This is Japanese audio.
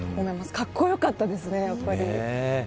かっこよかったです、やっぱり。